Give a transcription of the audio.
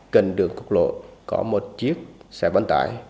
cần đường cục lộ có một chiếc xe bắn tải